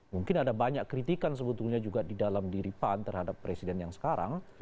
mungkin ada banyak kritikan sebetulnya juga di dalam diri pan terhadap presiden yang sekarang